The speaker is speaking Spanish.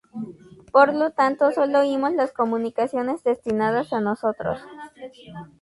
Por lo tanto sólo oímos las comunicaciones destinadas a nosotros.